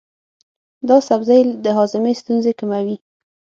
دا سبزی د هاضمې ستونزې کموي.